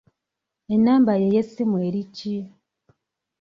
Ennamba yo ey'essimu eri ki?